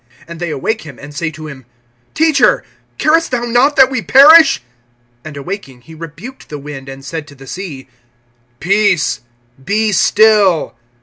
And they awake him, and say to him: Teacher, carest thou not that we perish? (39)And awaking, he rebuked the wind, and said to the sea: Peace, be still.